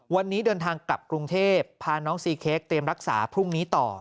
วันนี้เดินทางกลับกรุงเทพพาน้องซีเค้กเตรียมรักษาพรุ่งนี้ต่อ